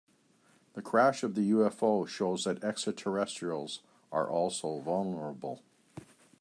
The crash of the UFO shows that extraterrestrials are also vulnerable.